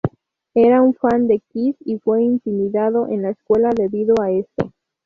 Era un fan de Kiss, y fue intimidado en la escuela debido a esto.